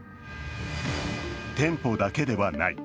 店舗だけではない。